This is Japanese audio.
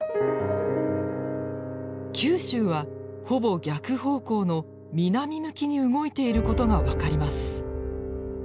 九州はほぼ逆方向の南向きに動いていることが分かります。